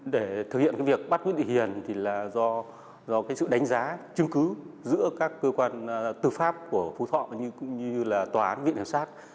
để thực hiện việc bắt nguyễn thị hiền thì là do sự đánh giá chứng cứ giữa các cơ quan tư pháp của phú thọ như là tòa án viện hiểm sát